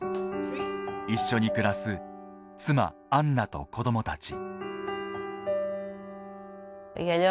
一緒に暮らす妻アンナと子どもたち。